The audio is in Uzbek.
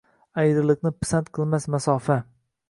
Ayriliqni pisand qilmas masofa.